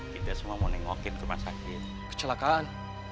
kita semua mau nengokin ke masjid kecelakaan